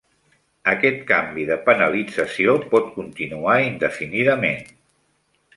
Aquest canvi de penalització pot continuar indefinidament.